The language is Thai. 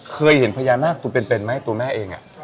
เคยเห็นพญานาคตัวเป็นไหมตัวแม่เอง